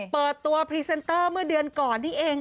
เปิดตัวพรีเซนเตอร์เมื่อเดือนก่อนนี่เอง